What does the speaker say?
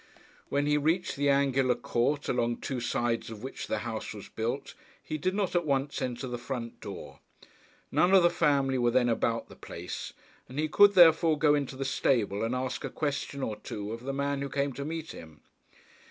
When he reached the angular court along two sides of which the house was built he did not at once enter the front door. None of the family were then about the place, and he could, therefore, go into the stable and ask a question or two of the man who came to meet him.